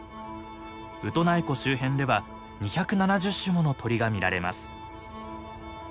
ウトナイ湖周辺では２７０種もの鳥が見られます。